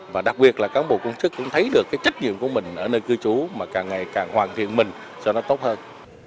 và đặc biệt là cán bộ công chức cũng thấy được cái trách nhiệm của mình ở nơi cư trú mà càng ngày càng hoàn thiện mình cho nó tốt hơn